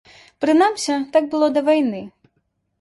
Прынамсі так было да вайны.